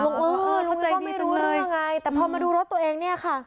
เออลุงเองก็ไม่รู้เรื่องไงแต่พอมาดูรถตัวเองเนี่ยค่ะ